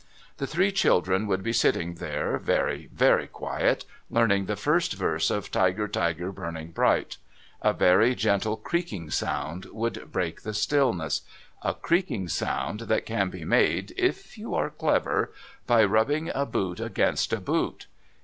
The three children would be sitting there very, very quiet, learning the first verse of "Tiger, Tiger, burning bright " A very gentle creaking sound would break the stillness a creaking sound that can be made, if you are clever, by rubbing a boot against a boot.